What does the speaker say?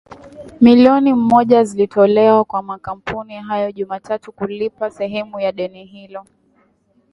milioni mmoja zilitolewa kwa makampuni hayo Jumatatu kulipa sehemu ya deni hilo